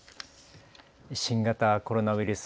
新型コロナウイルス。